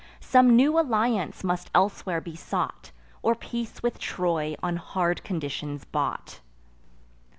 Some new alliance must elsewhere be sought, Or peace with Troy on hard conditions bought.